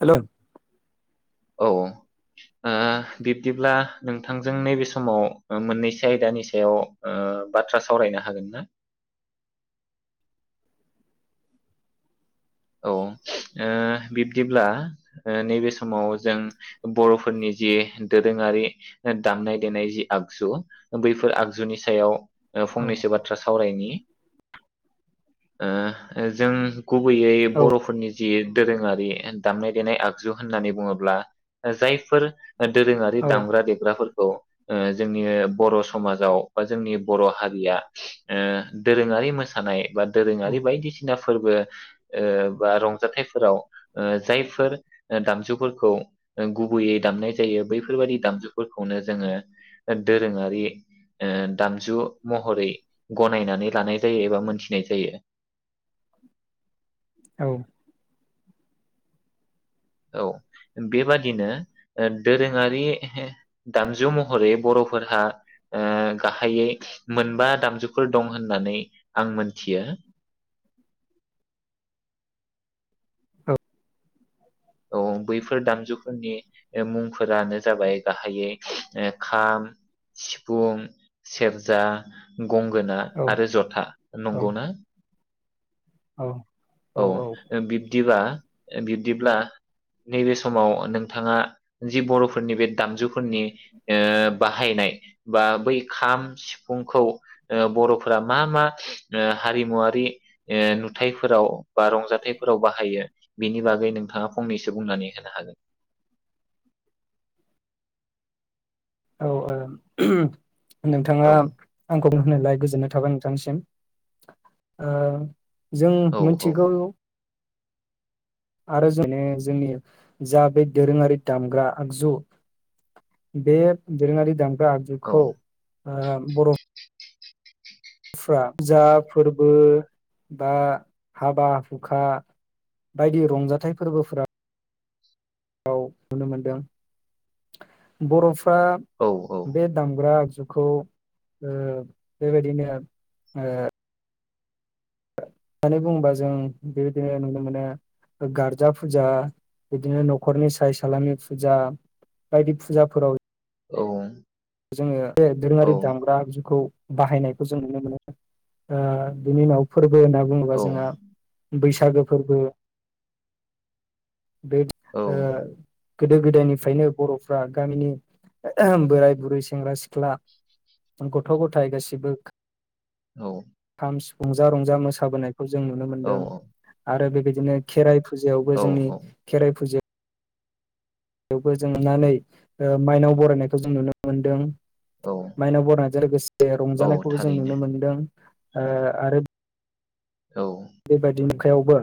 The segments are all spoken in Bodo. हेलौ। औ औ ओ बिब्दिब्ला नोंथांजों नैबे समाव मोननैसो आयदानि सायाव ओ बाथ्रा सावरायनो हागोन ना? औ ओ बिब्दिब्ला नैबे समाव जों बर'फोरनि जि दोरोङारि दामनाय देनाय जि आगजु बैफोर आगजुनि सायाव औ फंनैसो बाथ्रा स सावरायनि ओ जों गुबैयै औ बर'फोरनि जि दोरोङारि दामनाय देनाय आगजु होननानै बुङोब्ला जायफोर दोरोङारि औ दामग्रा देग्राफोर औ ओ जोंनि बर समाजाव बा जोंनि बर हारिया ओ दोरोङारि मोसानाय बा औ दोरोङारि बायदिसिना फोरबो ओ बा रंजाथाइफोराव ओ जायफोर दामजुफोरखौ गुबैयै दामनाय जायो बैफोरबायदि दामजुफोरखौनो जोङो दोरोङारि ओ दामजु महरै गनायनानै लानाय जायो एबा मोनथिनाय जायो । औ औ बेबादिनो दोरोङारि दामजु महरै बरफोरहा ओ गाहायै मोनबा दामजुफोर दं होननानै आं मोनथियो । औ बैफोर दामजुफोरनि मुंफोरानो जाबाय गाहायै खाम, सिफुं, सेरजा गंगोना औ आरो जथा नंगौ ना? औ औ बिब्दिबा बिब्दिब्ला नैबे समाव नोंथाङा जि बरफोरनि बे दामजुफोरनि ओ बाहायनाय बा बै खाम सिफुंखौ बरफोरा मा मा ओ हारिमुवारि ओ नुथायफोराव बा रंजाथाइफोराव बाहायो बेनि बागै नोंथाङा फंनैसो बुंनानै होनो हागोन । औ ओं नोंथाङा औ आं खौ होनायलाय गोजोननाय थाबाय नोंथांसिम ओ जों औ मोनथिगौ आरो जों माने जोंनि जा बे दोरोङारि दामग्रा आगजु बे दोरोंआरि दाम ग्रा औ आगजुखौ ओ बर फोरा जा फोरर्बो बा हाबा हुखा बायदि रंजाथाइ फोरर्बोफोरा आव नुनो मोनदों बर फ्रा औ बे दामग्रा आगजुखौ ओ बेबायदिनो ओ होननानै बुङोबा जों बेबायदिनो नुनो मोनो गार्जा फुजा बिदिनो नखरनि साय सालामि फुजा बायदि फुजाफोराव औ जोङो बे औ दोरोङारि दामग्रा आगजुखौ बाहायनायखौ जों नुनो मोनो ओ बिनि उनाव फोरर्बो होनना बुङोबा जोङा बैसागो फोरर्बो बे औ ओ गोदो गोदायनिफ्रायनो बरफ्रा गामिनि एहेम बोराय बुरै सेंग्रा सिख्ला उम गथ गथाय गासिबो औ खाम सिफ रंजा रंजा मोसाबोनाय । खौ‌ जों नुनो मोनदों आरो बेदि दिनो खेराइ फुजायावबो औ जोंनि खेराइ फुजा - जोंनानै ओ माइनाव बरायनायखौ जों नुनो मोनदों । औ माइनाव बरायनायजों लोगोसे औ रंजानायखौबो जों थारैनो नुनो मोन्दों । आ आरो औ। बेबायदि [unintelligible] यावबो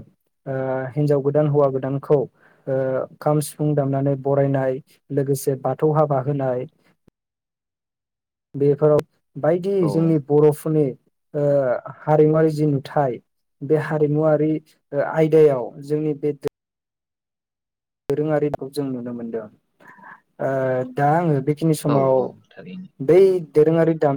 आ हिन्जाव गोदान हौवा गोदानखौ ओ खाम सिफुं दामनानै बरायनाय लोगोसे बाथौ हाबा होनाय बेफोराव बायदि औ जोंनि बर'फोरनि ओ हारिमुवारि जि नुथाय बे हारिमुवारि ओ आयदायाव जोंनि बे दो दोरोङारिखौ जों नुनो मोन्दों। ओ दा आङो बे बेखिनि औ समाव औ थारैनो बै दोरोङारि दाम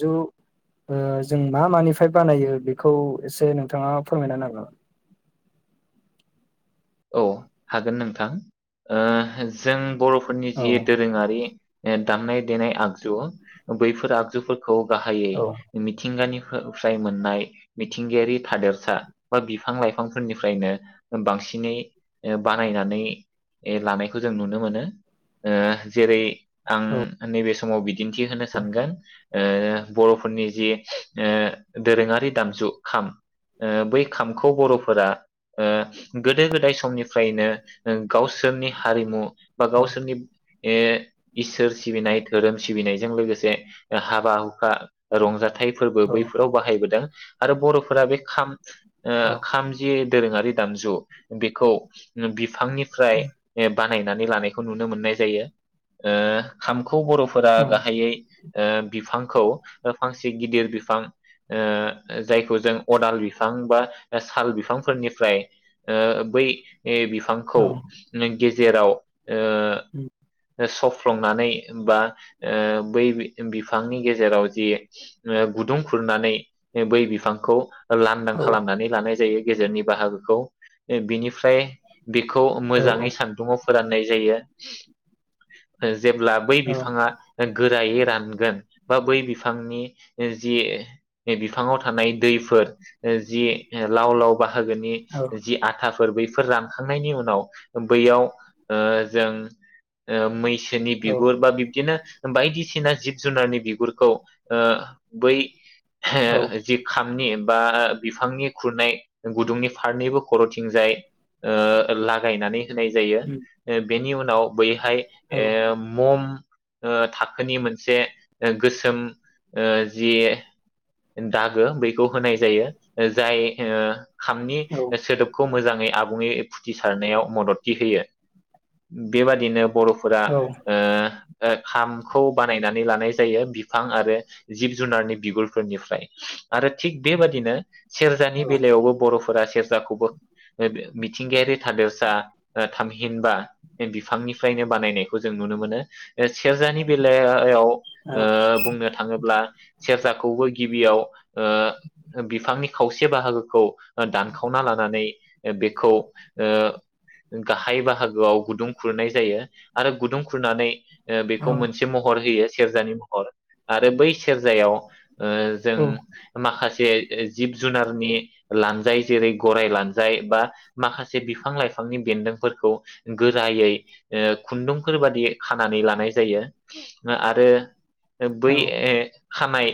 जु ओ जों मा मानिफ्राय बानायो बेखौ एसे नोंथाङा फोरमायना होनो हागोन नामा? औ हागोन नोंथां ओह जों बर' फोरनि जि दोरोङारि [inaudible] दामनाय देनाय आगजु बैफोर आगजुफोर खौ गाहायै मिथिंगानि फ्राय मोन्नाय मिथिंगायारि थादोरसा बा बिफां लाइफांफोरनिफ्रायनो बांसिन नै बानायनानै लानायखौ जों नुनो मोनो ओ जेरै आं नैबे समाव बि दिन्थि होनो सानगोन ओ बर'फोरनि जि ओ दोरोङारि दामजु खाम ओ बै खामखौ बर'फोरा ओ गोदो गोदाय समनिफ्रायनो ओ गावसोरनि हारिमु बा गावसोरनि ए इसोर सिबिनाय धोरोम सिबिनायजों लोगोसे हाबा हुखा रंजाथाय फोर्बो बैफोराव बाहायबोदों आरो बर'फोरा बे खाम ओ हागोन खामजि दोरोङारि दामजु बेखौ फांनिफ्राय एबा गायनानै लानायखौ‌ नुनो मोन्नाय जायो। ओ‌ खामखौ खौ बर'फोरा गाहायै ओ बिफांखौ ओ फांसे गिदिर बिफां ओ जायखौ जों अदाल बिफां बा साल बिफां फोरनिफ्राय ओ बै बे बिफांखौ [unintelligible] जेराव ओ स फ्लंनानै बा ओ बै बि-बिफांनि गेजेराव जि गुदुं खुरनानै बै बिफांखौ लांदां खालामनानै लानाय जायो। गेजेरनि बाहागोखौ ए बिनिफ्राय बिखौ मोजाङै सान्दुंआव फोराननाय जायो ओ जेब्ला बै बिफाङा गोरायै रानगोन बा बै बिफांनि जि बिफाङाव थानाय दैफोर जि लाव लाव बाहागोनि जि आथाफोर बैफोर रानखांनायनि उनाव बैयाव ओ जों ओ मैसो नि बिगुर बा बिब्दिनो बायदिसिना जिब जुनारनि बिगुरखौ ओ बै हे जि खामनि बा बिफांनि खुरनाय गुदुंनि फारनैबो खरथिंजाय ओ लागायनानै होनाय जायो ओ बिनि उन आव बैयो हाय ए मम ओ थाखोनि मोनसे ओ गोसोम ओ जि दागो बेैखौ होनाय जायो जाय ओ खामनि सोदोबखौ मोजाङै आबुङै फुथिसारनायाव मददथि होयो बेबादिनो बरफोरा ओ ओ खामखौ बानायनानै लानाय जायो बिफां आरो जिब जुनारनि बिगुर फोरनिफ्राय आरो थिग बेबादिनो सेरजानि बेलायावबो बरफोरा खौबो बे मिथिंगायारि थादेरसा थामहि हिनबा बिफां निफ्रायनो बानायनायखौ जों नुनो मोनो ओस सेरजानि बेलाया याव ओ बुंनो थाङोब्ला सेरजाखौबो गिबियाव ओ बिफांनि खावसे बाहागोखौ दान खावना लानानै बेखौ ओ गाहाय बाहागोआव गुदुं खुरनाय जायो आरो गुदुं खुरनानै ओ बेखौ मोनसे महर होयो। सेरजानि महर आरो बै सेरजायाव ओ जों माखासे जे जिब जुनारनि लानजाय जेरै गराय लानजाय बा माखासे बिफां लाइफांनि बेनदोंफोरखौ गोरायै ओ खुन्दुं फोरबादि खानानै लानाय जायो आ आरो ओ बै ए खानाय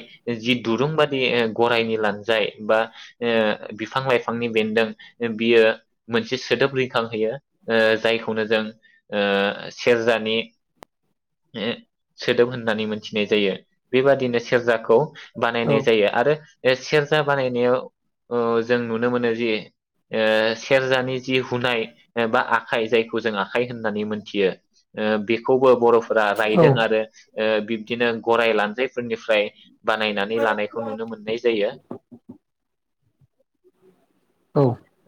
जि दुरुं बादि गरायनि लानजाय बा ओ बिफां लाइफां फांनि बेन्दों बियो मोनसे सोदोब रिंखां होयो ओ जायखौनो जों ओ सेरजानि सोदोब होननानै मोनथिनाय जायो बेबादिनो सेरजाखौ बानायनाय जायो आरो सेरजा बानायनायाव ओ जों । नुनो मोनो जि ओ सेरजानि जि हुनाय बा आखाइ जायखौ जों आखाइ होननानै मोनथियो ओ बेखौबो बर फोरा रायदों आरो । ओ बिब्दिनो गराय लानजायफोरनिफ्राय बानायनानै लानायखौ नुनो मोननाय जायो ।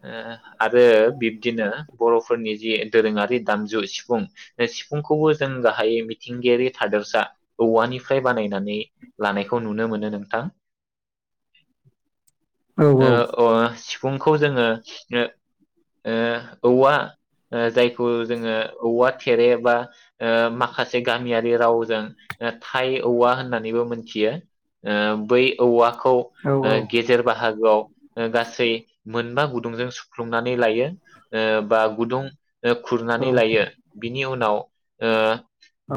ओ आरो बिब्दिनो बरफोरनि जि दोरोंआरि दामजु सिफुं, सिफुंखौबो जों गाहायै मिथिंगायारि थादेरसा औवानिफ्राय बानायनानै लानायखौ नुनो मोनो नोंथां। ओ औवा [unintelligible] बुंखौ । ओ जोंङो ओ औवा ओ जायखौ जोंङो औवा थेरे बा ओ माखासे गामियारि रावजों थाय औवा होननानैबो मोनथियो ओ बै औवा खौ ओ गेजेर बाहागोआव गासै मोनबा गुदुंजों सुफ्लुंनानै लायो ओ बा । खुरनानै लायो बिनि उनाव ओ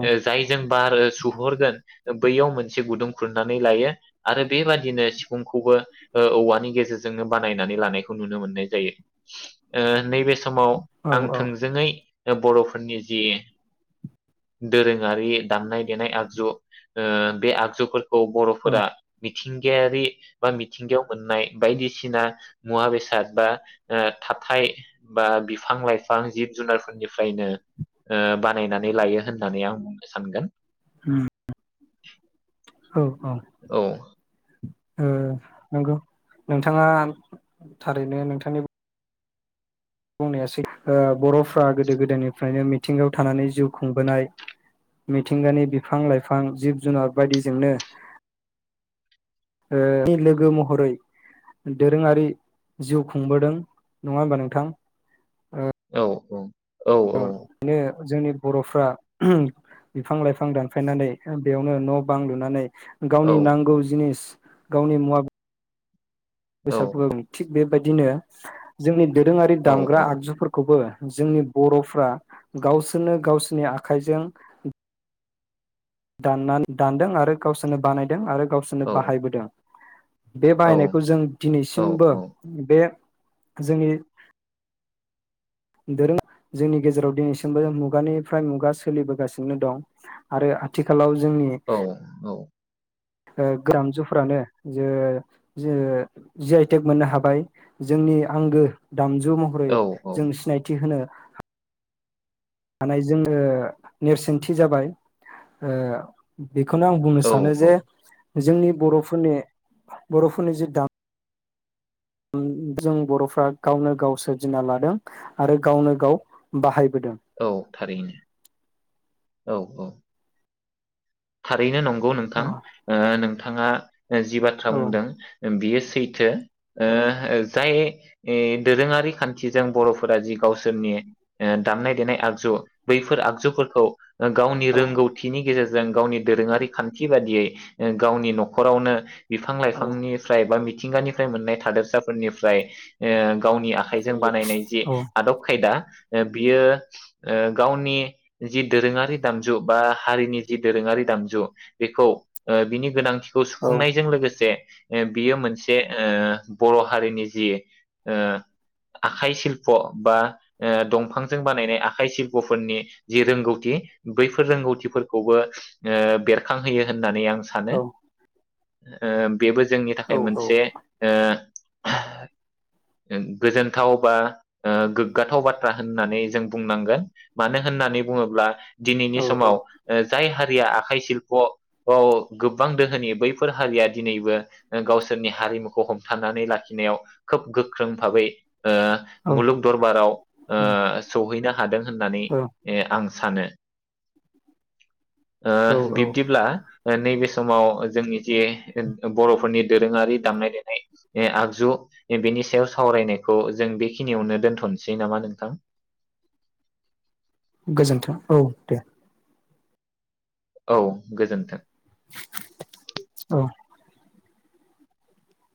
ओ जाय जों बार सुहरगोन बैयाव मोनसे गुदुं खुरनानै लायो आरो बेबादिनो सिफुंखौबो ओ औवानि गेजेरजोंनो बानायनानै लानायखौ लानाय खौ नुनो मोननाय जायो ओ नैबे समाव आं थोंजोङै बरफोरनि जि दोरोङारि दामनाय देनाय आगजु ओ बे आगजुफोर खौ बरफोरा बि मिथिंगायारि बा मिथिंगायाव मोननाय बायदिसिना मुवा बेसाद बा ओ थाथाय बा बिफां लाइफां जिब जुनारफोरनिफ्रायनो ओ बानायनानै लायो होननानै आं बुंनो सानगोन। औ औ । ओ नंगौ नोंथांआ थारैनो नोंथांनि बुं बुंनाया सैथो ओ बरफ्रा गोदो गोदायनिफ्रायनो मिथिंगायाव थानानै जिउ खुंबोनाय मिथिंगानि बिफां लाइफां जिब जुनार बायदिजोंनो ओ लोगो महरै दोरोङारि जिउ खुंबोदों नङा हबा नोंथां? औ औ । औ [unintelligible] जोंनि बरफ्रा बिफां लाइफां दानफायनानै बेयावनो न बां लुनानै औ गावनि नांगौ जिनिस गावनि मुवा औ बोसादफोरनि थिग बेबायदिनो जोंनि दोरोङारि औ दामग्रा आगजुफोरखौबो जोंनि बरफ्रा गावसोरनो गावसोरनि आखाइजों। दाननानै दानदों आरो गावसोरनो बानायदों आरो गावसोरनो बाहायबोदों बे औ बाहायनायखौ जों औ दिनैसिमबो बे जोंनि। दोरों जोंनि गेजेराव दिनैसिमबो मुगानिफ्राय मुगा सोलिबोगासिनो दं आरो आथिखालाव । औ औ। गोरान जुफ्रानो जो जो जि-आइ टेक मोननो हाबाय जोंनि आंगो । दामजु महरै औ जों सिनायथि होनो हानाय जोङो नेरसोनथि जाबाय । बेखौनो आं बुंनो औ सानो औ जे जोंनि बरफोरनि बरफोरनि जि दाम जों बरफ्रा गावनो गाव सोरजिना लादों आरो गावनो गाव बाहाय औ थारैनो । औ औ । थारैनो नं गौ नोंथां औ ओ थाङा जि बाथ्रा औ बुंदों बियो सैथो ओ जाय दोरोङारि खान्थिजों बरफोरा जि गावसोरनि ओ दामनाय देनाय आगजु बैफोर आगजुफोरखौ गावनि औ रोंगौथिनि गेजे गावनि दोरोङारि खान्थि बादियै गावनि नख'रावनो बिफां औ लाइफांनिफ्राय बा मिथिंगानिफ्राय मोननाय थादोरसाफोरनिफ्राय ओ गावनि आखाइजों बानायनाय जि औ आदब खायदा। बियो ओ गावनि जि दोरोङारि दामजु बा हारिनि जि दोरोङारि दामजु बेखौ ओ बिनि गोनांथि खौ औ सुफुंनायजों लोगोसे ओ बियो मोनसे ओ बर' हारिनि जि ओ आखाइ सिल्प बा ओ दंफांजों बानायनाय आखाइ सिल्पफोरनि जि रोंगौथि बैफोर रोंगौथिफोरखौबो ओ बेरखांहोयो होननानै आं सानो। औ ओ। बेबो जोंनि औ थाखाय मोनसे ओ [unintelligible] गोजोनथाव बा ओ गोग्गाथाव बाथ्रा होननानै जों बुंनांगोन मानो होननानै बुङोब्ला दिनैनि समाव ओ हारिया आखाइ शिल्प अ गोबां दोहोनि बैफोर हारिया दिनैबो ओ गावसोरनि हारिमुखौ हमथानानै लाखिनायाव खोब गोख्रों फाबै ओ औ मुलुग दरबाराव ओ सौहैनो‌ हादों होननानै औ ए आं सानो ओ औ औ बिब्दिब्ला ओ नैबे समाव जोंनि जे बर'फोरनि दोरोङारि दामनाय देनाय ए आगजु बेनि सायाव सावरायनायखौ जों बेखिनियावनो दोनथनोसै नामा नोंथां । गोजोन्थों औ दे । औ गोजोन्थों । औ ।